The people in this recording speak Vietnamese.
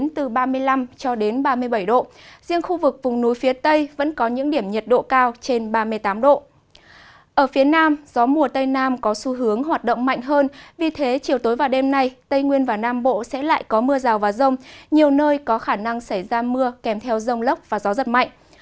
ở phía nam gió mùa tây nam có xu hướng hoạt động mạnh hơn vì thế chiều tối và đêm nay tây nguyên và nam bộ sẽ lại có mưa rào và rông nhiều nơi có khả năng xảy ra mưa kèm theo rông lốc và gió giật mạnh